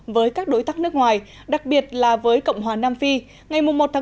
với các đối tác nước ngoài đặc biệt là với cộng hòa nam phi ngày một tám